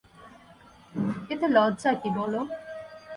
এতে লজ্জা কী বলো!